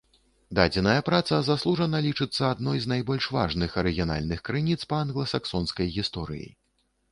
Дадзеная праца заслужана лічыцца адной з найбольш важных арыгінальных крыніц па англасаксонскай гісторыі.